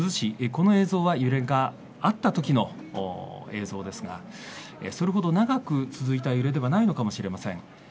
この映像は揺れがあったときの映像ですがそれほど長く続いた揺れではないのかもしれません。